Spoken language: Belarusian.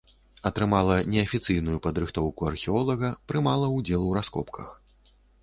Атрымала неафіцыйную падрыхтоўку археолага, прымала ўдзел у раскопках.